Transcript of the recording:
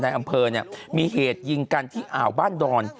ในอำเภอเนี่ยมีเหตุยิงกันที่อ่าวบ้านดอน